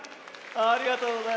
ありがとうございます。